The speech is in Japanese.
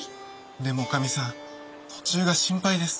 でもおかみさん途中が心配です。